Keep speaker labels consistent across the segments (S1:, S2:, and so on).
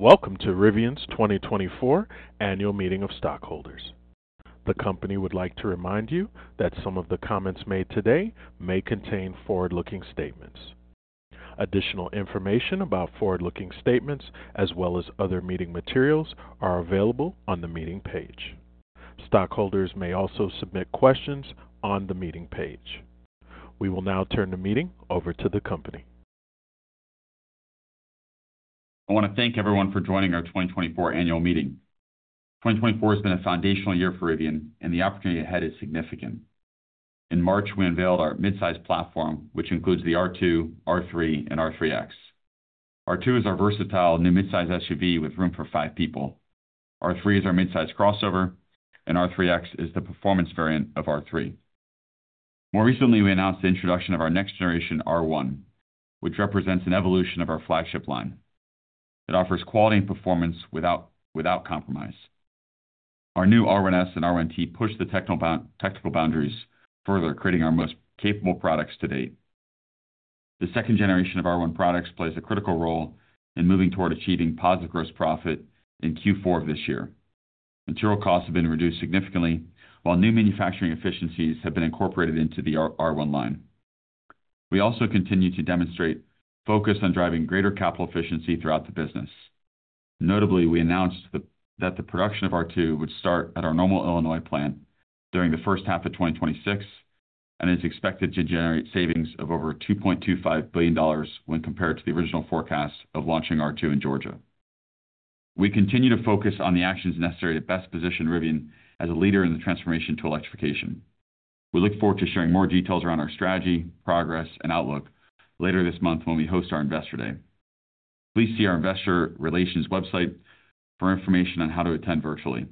S1: Welcome to Rivian's 2024 Annual Meeting of Stockholders. The company would like to remind you that some of the comments made today may contain forward-looking statements. Additional information about forward-looking statements, as well as other meeting materials, is available on the meeting page. Stockholders may also submit questions on the meeting page. We will now turn the meeting over to the company.
S2: I want to thank everyone for joining our 2024 Annual Meeting. 2024 has been a foundational year for Rivian, and the opportunity ahead is significant. In March, we unveiled our midsize platform, which includes the R2, R3, and R3X. R2 is our versatile new midsize SUV with room for five people. R3 is our midsize crossover, and R3X is the performance variant of R3. More recently, we announced the introduction of our next-generation R1, which represents an evolution of our flagship line. It offers quality and performance without compromise. Our new R1S and R1T push the technical boundaries further, creating our most capable products to date. The 2nd generation of R1 products plays a critical role in moving toward achieving positive gross profit in Q4 of this year. Material costs have been reduced significantly, while new manufacturing efficiencies have been incorporated into the R1 line. We also continue to demonstrate focus on driving greater capital efficiency throughout the business. Notably, we announced that the production of R2 would start at our Normal, Illinois plant during the first half of 2026 and is expected to generate savings of over $2.25 billion when compared to the original forecast of launching R2 in Georgia. We continue to focus on the actions necessary to best position Rivian as a leader in the transformation to electrification. We look forward to sharing more details around our strategy, progress, and outlook later this month when we host our Investor Day. Please see our Investor Relations website for information on how to attend virtually.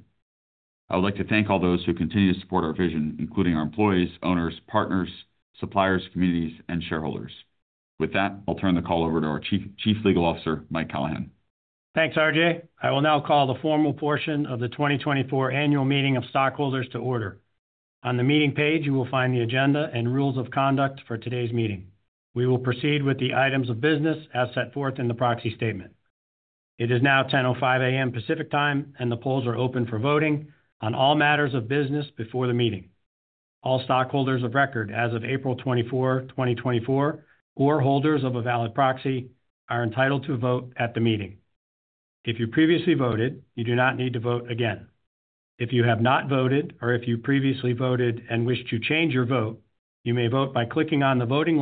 S2: I would like to thank all those who continue to support our vision, including our employees, owners, partners, suppliers, communities, and shareholders. With that, I'll turn the call over to our Chief Legal Officer, Mike Callahan.
S3: Thanks, R.J. I will now call the formal portion of the 2024 Annual Meeting of Stockholders to order. On the meeting page, you will find the agenda and rules of conduct for today's meeting. We will proceed with the items of business as set forth in the proxy statement. It is now 10:05 A.M. Pacific Time, and the polls are open for voting on all matters of business before the meeting. All stockholders of record as of April 24, 2024, or holders of a valid proxy are entitled to vote at the meeting. If you previously voted, you do not need to vote again. If you have not voted, or if you previously voted and wished to change your vote, you may vote by clicking on the voting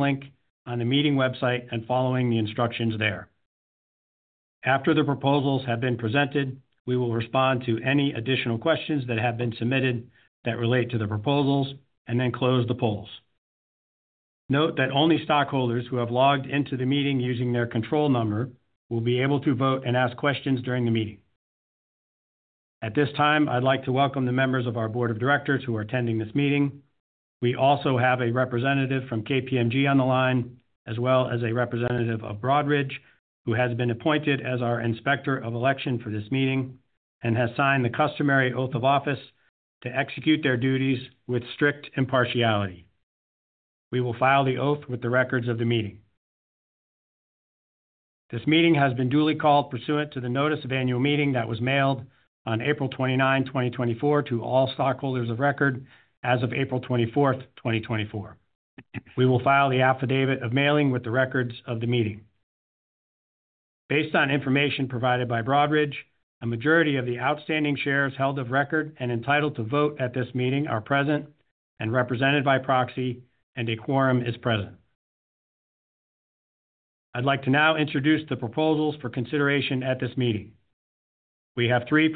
S3: link on the meeting website and following the instructions there. After the proposals have been presented, we will respond to any additional questions that have been submitted that relate to the proposals and then close the polls. Note that only stockholders who have logged into the meeting using their control number will be able to vote and ask questions during the meeting. At this time, I'd like to welcome the members of our Board of Directors who are attending this meeting. We also have a representative from KPMG on the line, as well as a representative of Broadridge, who has been appointed as our Inspector of Election for this meeting and has signed the customary oath of office to execute their duties with strict impartiality. We will file the oath with the records of the meeting. This meeting has been duly called pursuant to the notice of annual meeting that was mailed on April 29, 2024, to all stockholders of record as of April 24, 2024. We will file the affidavit of mailing with the records of the meeting. Based on information provided by Broadridge, a majority of the outstanding shares held of record and entitled to vote at this meeting are present and represented by proxy, and a quorum is present. I'd like to now introduce the proposals for consideration at this meeting. We have three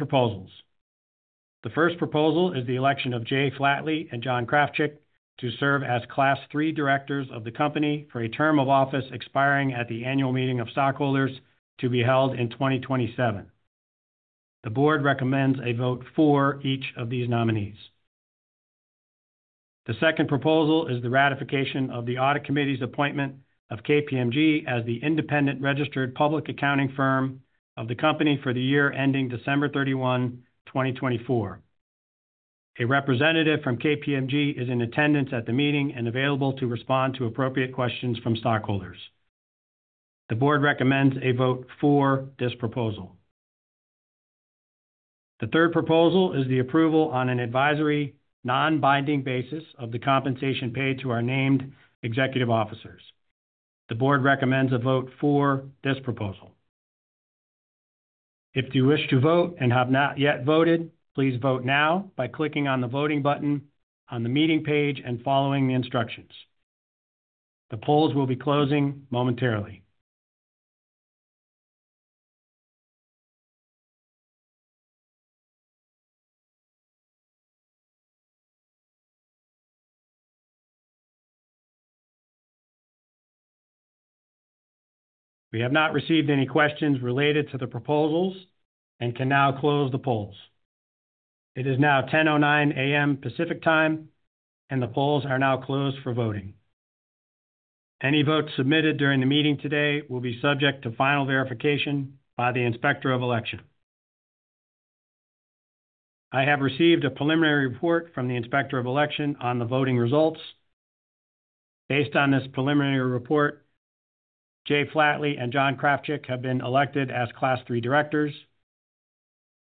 S3: proposals. The first proposal is the election of Jay Flatley and John Krafcik to serve as Class III Directors of the company for a term of office expiring at the Annual Meeting of Stockholders to be held in 2027. The board recommends a vote for each of these nominees. The second proposal is the ratification of the Audit Committee's appointment of KPMG as the independent registered public accounting firm of the company for the year ending December 31, 2024. A representative from KPMG is in attendance at the meeting and available to respond to appropriate questions from stockholders. The Board recommends a vote for this proposal. The third proposal is the approval on an advisory non-binding basis of the compensation paid to our Named Executive Officers. The Board recommends a vote for this proposal. If you wish to vote and have not yet voted, please vote now by clicking on the voting button on the meeting page and following the instructions. The polls will be closing momentarily. We have not received any questions related to the proposals and can now close the polls. It is now 10:09 A.M. Pacific Time, and the polls are now closed for voting. Any votes submitted during the meeting today will be subject to final verification by the Inspector of Election. I have received a preliminary report from the Inspector of Election on the voting results. Based on this preliminary report, Jay Flatley and John Krafcik have been elected as Class III Directors.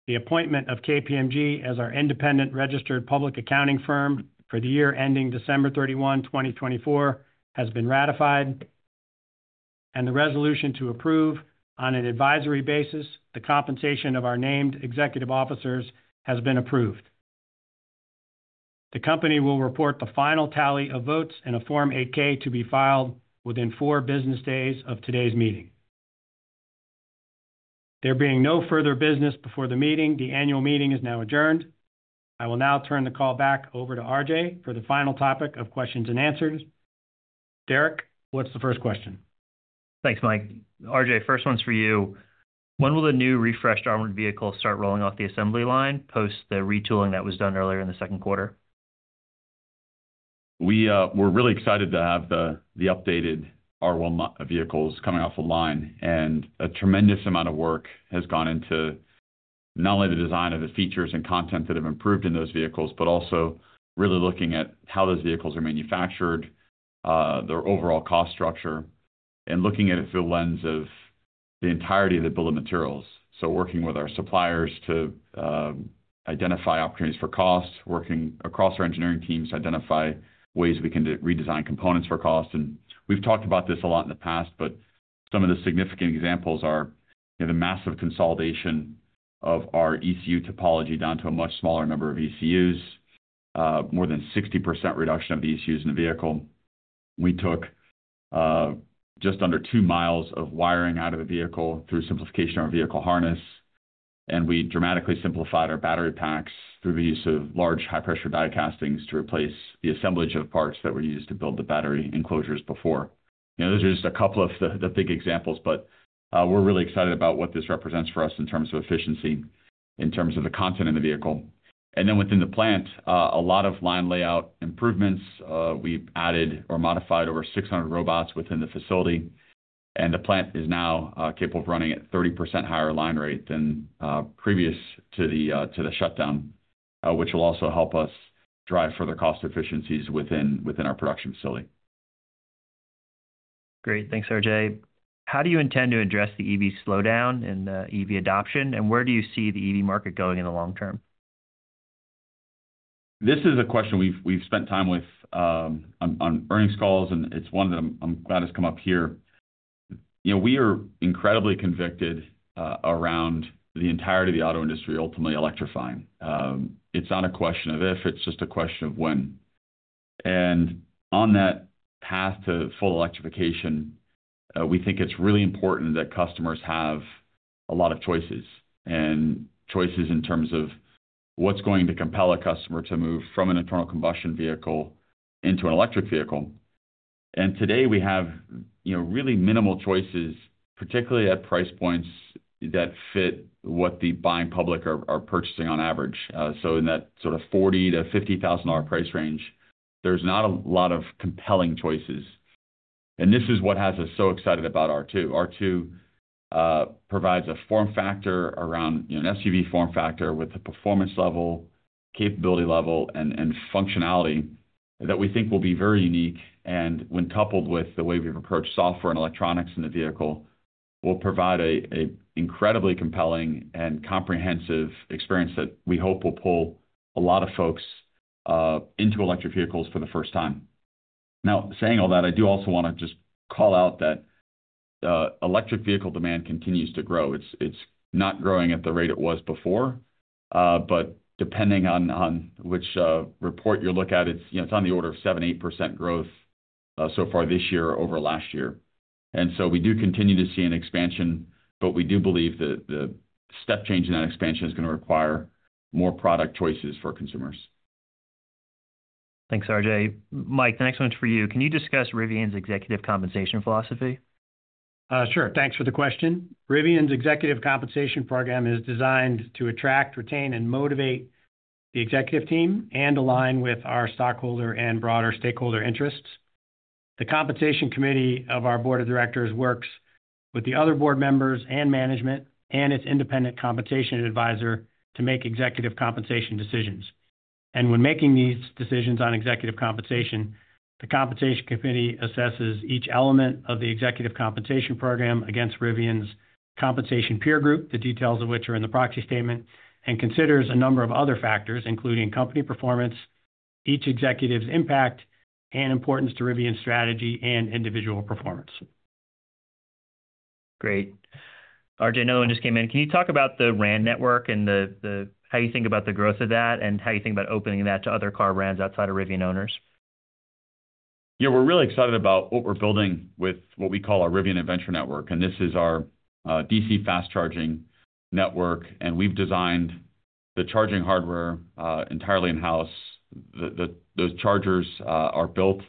S3: The appointment of KPMG as our independent registered public accounting firm for the year ending December 31, 2024, has been ratified, and the resolution to approve on an advisory basis the compensation of our named executive officers has been approved. The company will report the final tally of votes in a Form 8-K to be filed within four business days of today's meeting. There being no further business before the meeting, the annual meeting is now adjourned. I will now turn the call back over to R.J. for the final topic of questions and answers. Derek, what's the first question?
S4: Thanks, Mike. R.J., first one's for you. When will the new refreshed R1 vehicles start rolling off the assembly line post the retooling that was done earlier in the second quarter?
S2: We're really excited to have the updated R1 vehicles coming off the line, and a tremendous amount of work has gone into not only the design of the features and content that have improved in those vehicles, but also really looking at how those vehicles are manufactured, their overall cost structure, and looking at it through the lens of the entirety of the bill of materials. So working with our suppliers to identify opportunities for cost, working across our engineering teams to identify ways we can redesign components for cost. And we've talked about this a lot in the past, but some of the significant examples are the massive consolidation of our ECU topology down to a much smaller number of ECUs, more than 60% reduction of the ECUs in the vehicle. We took just under two miles of wiring out of the vehicle through simplification of our vehicle harness, and we dramatically simplified our battery packs through the use of large high-pressure die castings to replace the assemblage of parts that were used to build the battery enclosures before. Those are just a couple of the big examples, but we're really excited about what this represents for us in terms of efficiency, in terms of the content in the vehicle. And then within the plant, a lot of line layout improvements. We've added or modified over 600 robots within the facility, and the plant is now capable of running at 30% higher line rate than previous to the shutdown, which will also help us drive further cost efficiencies within our production facility.
S4: Great. Thanks, R.J. How do you intend to address the EV slowdown and the EV adoption, and where do you see the EV market going in the long term?
S2: This is a question we've spent time with on earnings calls, and it's one that I'm glad has come up here. We are incredibly convicted around the entirety of the auto industry ultimately electrifying. It's not a question of if, it's just a question of when. And on that path to full electrification, we think it's really important that customers have a lot of choices, and choices in terms of what's going to compel a customer to move from an internal combustion vehicle into an electric vehicle. And today we have really minimal choices, particularly at price points that fit what the buying public are purchasing on average. So in that sort of $40,000-$50,000 price range, there's not a lot of compelling choices. And this is what has us so excited about R2. R2 provides a form factor around an SUV form factor with the performance level, capability level, and functionality that we think will be very unique. And when coupled with the way we've approached software and electronics in the vehicle, we'll provide an incredibly compelling and comprehensive experience that we hope will pull a lot of folks into electric vehicles for the first time. Now, saying all that, I do also want to just call out that electric vehicle demand continues to grow. It's not growing at the rate it was before, but depending on which report you look at, it's on the order of 7%, 8% growth so far this year over last year. And so we do continue to see an expansion, but we do believe that the step change in that expansion is going to require more product choices for consumers.
S4: Thanks, R.J. Mike, the next one's for you. Can you discuss Rivian's executive compensation philosophy?
S3: Sure. Thanks for the question. Rivian's executive compensation program is designed to attract, retain, and motivate the executive team and align with our stockholder and broader stakeholder interests. The Compensation Committee of our Board of Directors works with the other board members and management and its independent compensation advisor to make executive compensation decisions. And when making these decisions on executive compensation, the Compensation Committee assesses each element of the executive compensation program against Rivian's compensation peer group, the details of which are in the proxy statement, and considers a number of other factors, including company performance, each executive's impact, and importance to Rivian's strategy and individual performance.
S4: Great. R.J., another one just came in. Can you talk about the RAN network and how you think about the growth of that and how you think about opening that to other car brands outside of Rivian owners?
S2: Yeah, we're really excited about what we're building with what we call our Rivian Adventure Network, and this is our DC fast charging network. We've designed the charging hardware entirely in-house. Those chargers are built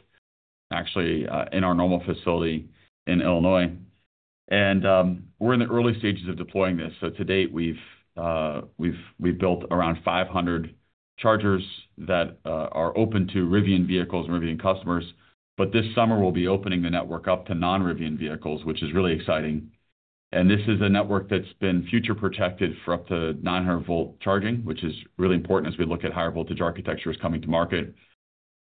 S2: actually in our Normal facility in Illinois. We're in the early stages of deploying this. So to date, we've built around 500 chargers that are open to Rivian vehicles and Rivian customers. But this summer, we'll be opening the network up to non-Rivian vehicles, which is really exciting. And this is a network that's been future-proofed for up to 900-volt charging, which is really important as we look at higher voltage architectures coming to market.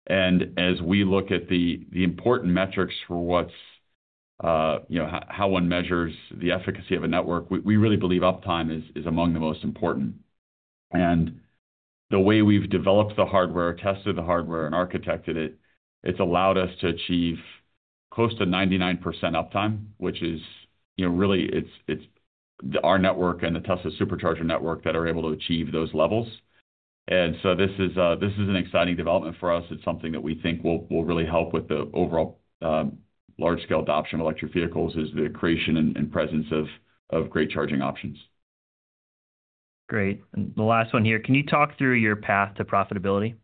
S2: And as we look at the important metrics for how one measures the efficacy of a network, we really believe uptime is among the most important. The way we've developed the hardware, tested the hardware, and architected it, it's allowed us to achieve close to 99% uptime, which is really our network and the Tesla Supercharger network that are able to achieve those levels. So this is an exciting development for us. It's something that we think will really help with the overall large-scale adoption of electric vehicles is the creation and presence of great charging options.
S4: Great. And the last one here. Can you talk through your path to profitability?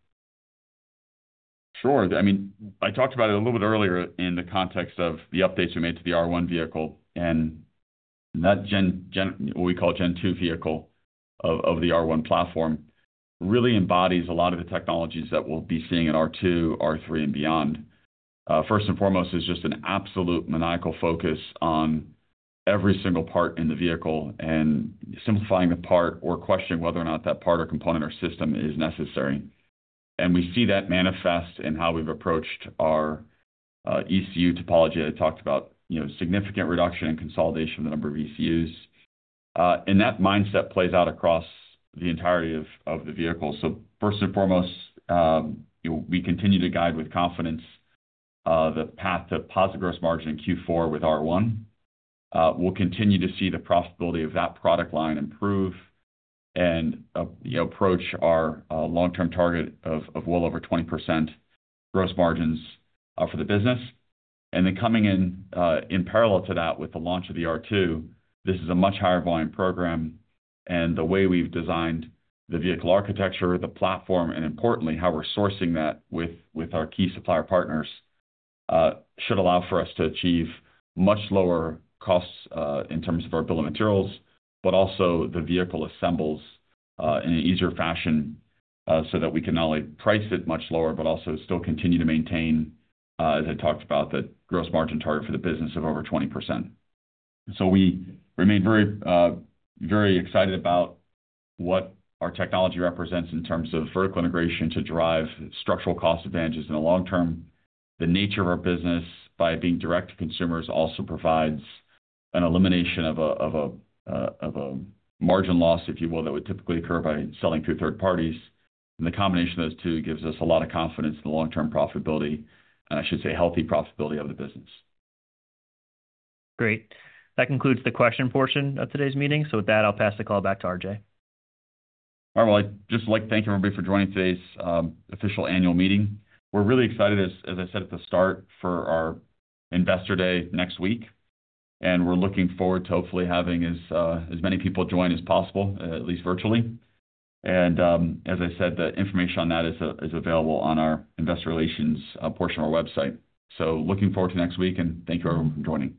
S2: Sure. I mean, I talked about it a little bit earlier in the context of the updates we made to the R1 vehicle and what we call Gen 2 vehicle of the R1 platform really embodies a lot of the technologies that we'll be seeing in R2, R3, and beyond. First and foremost, it's just an absolute maniacal focus on every single part in the vehicle and simplifying the part or questioning whether or not that part or component or system is necessary. And we see that manifest in how we've approached our ECU topology. I talked about significant reduction and consolidation of the number of ECUs. And that mindset plays out across the entirety of the vehicle. So first and foremost, we continue to guide with confidence the path to positive gross margin in Q4 with R1. We'll continue to see the profitability of that product line improve and approach our long-term target of well over 20% gross margins for the business. Then coming in parallel to that with the launch of the R2, this is a much higher volume program. The way we've designed the vehicle architecture, the platform, and importantly, how we're sourcing that with our key supplier partners should allow for us to achieve much lower costs in terms of our bill of materials, but also the vehicle assembles in an easier fashion so that we can not only price it much lower, but also still continue to maintain, as I talked about, the gross margin target for the business of over 20%. We remain very excited about what our technology represents in terms of vertical integration to drive structural cost advantages in the long term. The nature of our business by being direct to consumers also provides an elimination of a margin loss, if you will, that would typically occur by selling to third parties. The combination of those two gives us a lot of confidence in the long-term profitability, and I should say healthy profitability of the business.
S4: Great. That concludes the question portion of today's meeting. With that, I'll pass the call back to R.J.
S2: All right. Well, I'd just like to thank everybody for joining today's official annual meeting. We're really excited, as I said at the start, for our Investor Day next week. We're looking forward to hopefully having as many people join as possible, at least virtually. As I said, the information on that is available on our Investor Relations portion of our website. Looking forward to next week, and thank you everyone for joining.